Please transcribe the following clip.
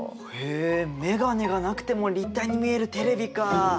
へえ眼鏡がなくても立体に見えるテレビか。